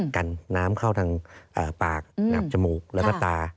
กันน้ำเข้าทางปากหนับจมูกแล้วก็ตา